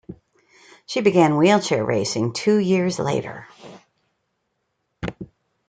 She began wheelchair racing two years later.